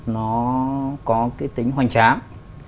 nó có cái tính hoành tráng